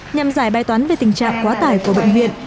nhằm giải bài toán về tình trạng quá tải của bệnh viện